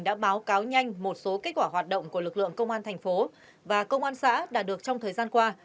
đã báo cáo nhanh một số kết quả hoạt động của lực lượng công an thành phố và công an xã đã được trong thời gian qua